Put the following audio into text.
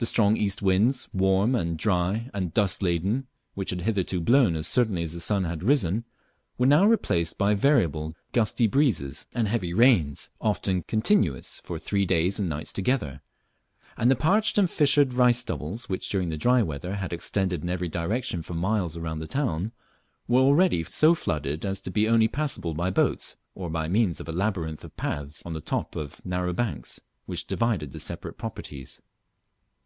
The strong east winds, warm and dry and dust laden, which had hitherto blown as certainly as the sun had risen, were now replaced by variable gusty breezes and heavy rains, often continuous for three days and nights together; and the parched and fissured rice stubbles which during the dry weather had extended in every direction for miles around the town, were already so flooded as to be only passable by boats, or by means of a labyrinth of paths on the top of the narrow banks which divided the separate properties.